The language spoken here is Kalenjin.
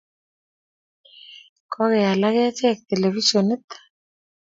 Kokoal ak achek televisionit.